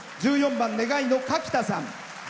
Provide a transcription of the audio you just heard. １４番「願い」の、かきたさん。